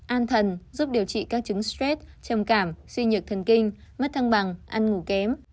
an thần giúp điều trị các chứng stress trầm cảm suy nhược thần kinh mất thăng bằng ăn ngủ kém